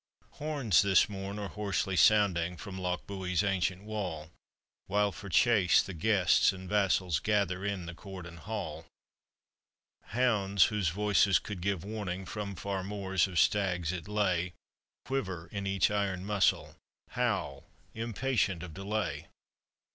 Horns this morn are hoarsely sounding From Lochbuie's ancient wall, While for chase the guests and vassals Gather in the court and hall. Hounds, whose voices could give warning From far moors of stags at bay, Quiver in each iron muscle, Howl, impatient of delay.